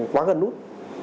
quá gần nút